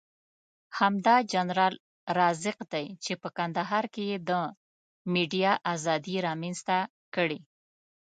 همدا جنرال رازق دی چې په کندهار کې یې د ميډيا ازادي رامنځته کړې.